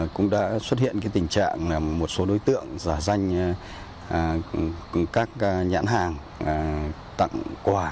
cũng đã xuất hiện tình trạng một số đối tượng giả danh các nhãn hàng tặng quà